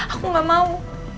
aku gak mau